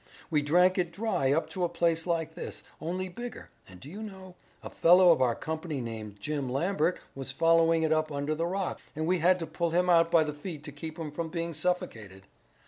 We drank it dry up to a place like this, only bigger, and do you know, a fellow of our company named Jim Lambert was following it up under the rocks, and we had to pull him out by the feet to keep him from being suffocated.